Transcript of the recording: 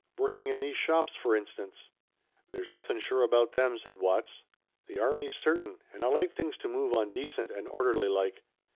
Working in these shops, for instance." "There's nothin' sure about them," said Watts. "The army's certain. And I like things to move on decent and orderly like.